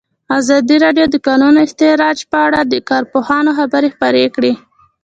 ازادي راډیو د د کانونو استخراج په اړه د کارپوهانو خبرې خپرې کړي.